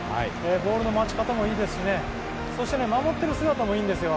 ボールの待ち方もいいですしね、守っている姿もいいんですよ。